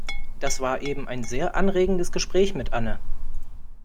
Das war eben ein sehr anregendes Gespräch mit Anne.